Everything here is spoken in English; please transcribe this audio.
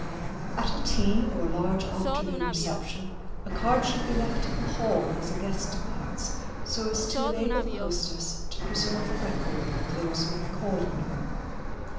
At a tea or large afternoon reception a card should be left in the hall as a guest departs, so as to enable the hostess to preserve a record of those who have called on her.